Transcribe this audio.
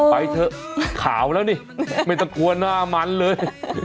ไปเถอะขาวแล้วนี่ไม่ต้องกลัวหน้ามันเลย